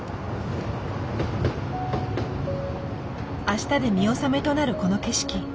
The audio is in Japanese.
明日で見納めとなるこの景色。